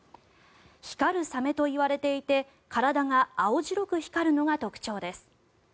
光るサメといわれていて体が青白く光るのが特徴です。